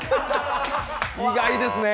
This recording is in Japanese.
意外ですね。